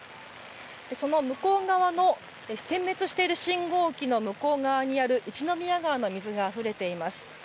その向こう側の点滅している信号機の向こう側にある一宮川の水があふれています。